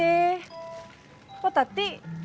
aku merasa sedih